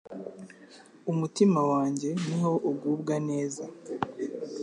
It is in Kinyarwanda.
umutima wanjye ni ho ugubwa neza